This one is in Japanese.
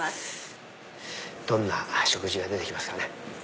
どんな食事が出てきますかね。